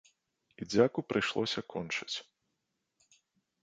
І дзяку прыйшлося кончыць.